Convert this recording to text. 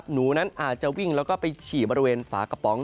หนูนั้นอาจจะวิ่งแล้วก็ไปฉี่บริเวณฝากระป๋อง